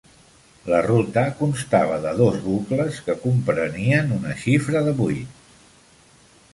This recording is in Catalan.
La ruta constava de dos bucles que comprenien una xifra de vuit.